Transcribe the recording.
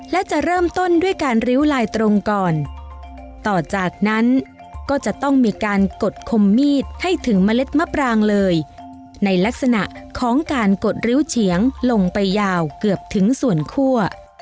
และจะเริ่มต้นด้วยการริ้วลายตรงก่อนต่อจากนั้นก็จะต้องมีการกดคมมีดให้ถึงเมล็ดมะปรางเลยในลักษณะของการกดริ้วเฉียงลงไปยาวเกือบถึงส่วนคั่ว